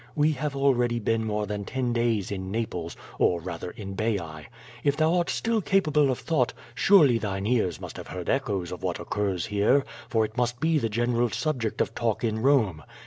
We have already been more than ten days in Naples, or, rather, in Baiae. If thou art still capable of thought, surely thine ears must have heard echoes of what occurs here, for it must be the general subject of talk in Bome.